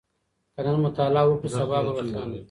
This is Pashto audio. که نن مطالعه وکړو سبا به روښانه وي.